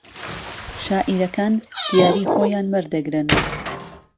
شاعیرەکان دیاریی خۆیان وەردەگرن